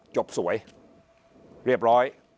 จบสวยเรียบร้อย